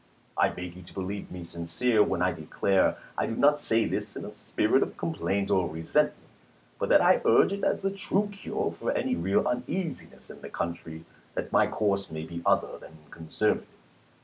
I beg you to believe me sincere, when I declare I do not say this in a spirit of complaint or resentment ; but that I urge it as the true cure for any real uneasiness in the country, that my course may be other than con servative.